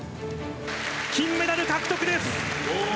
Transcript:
金メダル獲得です。